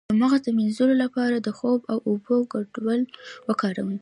د مغز د مینځلو لپاره د خوب او اوبو ګډول وکاروئ